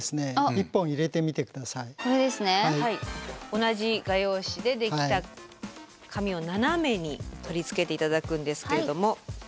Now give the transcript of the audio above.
同じ画用紙でできた紙を斜めに取り付けて頂くんですけれども。